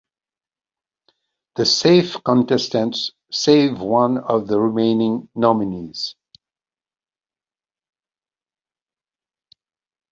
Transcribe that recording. The safe contestants save one of the remaining nominees.